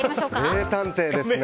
名探偵ですね。